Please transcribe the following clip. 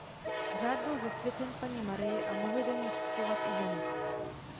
Řád byl zasvěcen Panně Marii a mohly do něj vstupovat i ženy.